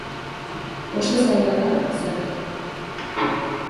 Oso zaila da izatea.